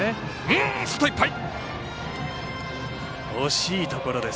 惜しいところです。